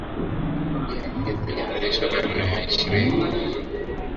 redio nyingi zilianzishwa karne ya ishilini